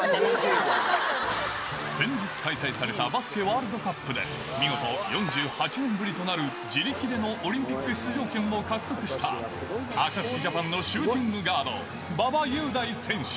先日開催されたバスケワールドカップで、見事、４８年ぶりとなる、自力でのオリンピック出場権を獲得した、あかつきジャパンのシューティングガード、馬場雄大選手。